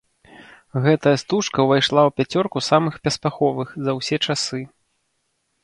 Гэтая стужка ўвайшла ў пяцёрку самых паспяховых за ўсе часы!